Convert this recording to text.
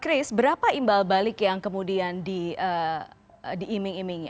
chris berapa imbal balik yang kemudian diiming imingi